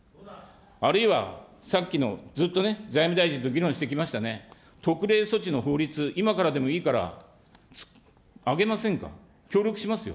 あるいはさっきの、ずっとね、財務大臣のときに議論してきましたね、特例措置の法律、今からでもいいからあげませんか、協力しますよ。